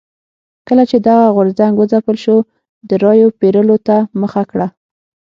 کله چې دغه غورځنګ وځپل شو د رایو پېرلو ته مخه کړه.